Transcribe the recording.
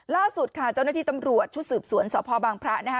ล่าสุดค่ะเจ้าหน้าที่ตำรวจชุดสืบสวนสพบางพระนะคะ